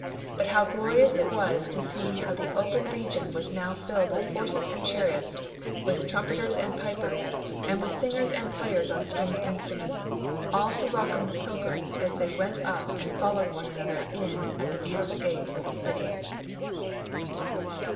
But how glorious it was to see how the open region was now filled with horses and chariots, with trumpeters and pipers, and with singers and players on stringed instruments, all to welcome the pilgrims as they went up and followed one another in at the beautiful gate of the city!